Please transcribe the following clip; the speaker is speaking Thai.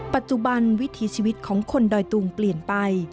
ปัจจุบันวิถีชีวิตของคนดอยตุงเปลี่ยนไป